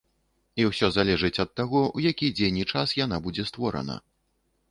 І ўсё залежыць ад таго, у які дзень і час яна будзе створана.